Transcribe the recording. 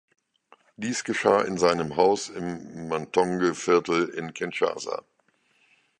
Dies geschah in seinem Haus im Matonge-Viertel in Kinshasa.